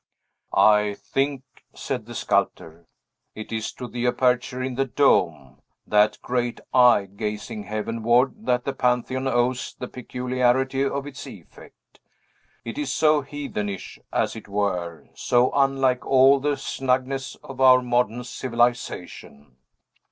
"I think," said the sculptor, "it is to the aperture in the dome that great Eye, gazing heavenward that the Pantheon owes the peculiarity of its effect. It is so heathenish, as it were, so unlike all the snugness of our modern civilization!